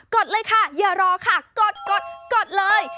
ดเลยค่ะอย่ารอค่ะกดกดเลย